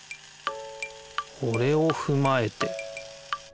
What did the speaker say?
これをふまえて。